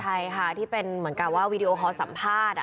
ใช่ค่ะที่เป็นเหมือนกับว่าวีดีโอคอลสัมภาษณ์